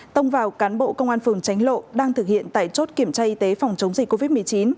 tông vào cán bộ công an phường tránh lộ đang thực hiện tại chốt kiểm tra y tế phòng chống dịch covid một mươi chín